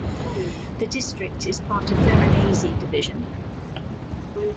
The district is part of Varanasi Division.